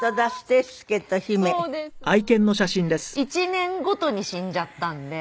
１年ごとに死んじゃったんで。